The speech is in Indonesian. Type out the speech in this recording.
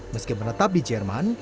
meski menetap di jerman